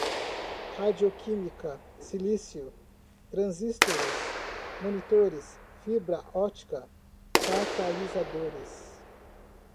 flogisto, estereoquímica, radioquímica, silício, transistores, monitores, fibra óptica, catalisadores